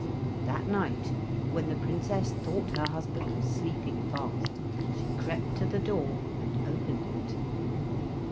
That night, when the Princess thought her husband was sleeping fast, she crept to the door and opened it.